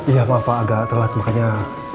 iya pak agak telat makanya